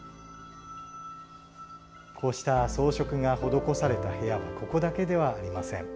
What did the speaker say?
こうした装飾が施された部屋はここだけではありません。